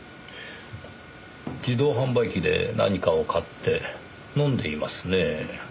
自動販売機で何かを買って飲んでいますねぇ。